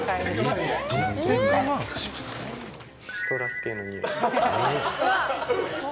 シトラス系の匂い。